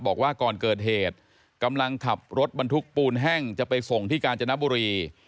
บอกว่าก่อนเกิดเหตุกำลังขับรถบรรทุกปูนแห้งจะไปส่งที่กาญจนบุรี